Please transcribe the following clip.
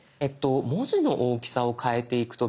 文字の大きさを変えていく時。